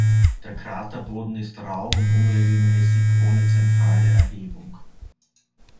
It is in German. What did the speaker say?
Der Kraterboden ist rau und unregelmäßig ohne zentrale Erhebung.